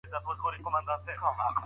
د زړونو اړول د انسانانو په واک کي نه دي.